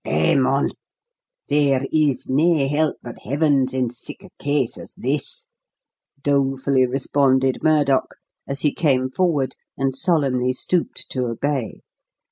"Eh, mon, there is nae help but Heaven's in sic a case as this," dolefully responded Murdock, as he came forward and solemnly stooped to obey.